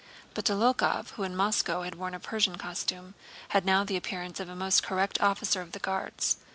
But Dólokhov, who in Moscow had worn a Persian costume, had now the appearance of a most correct officer of the Guards.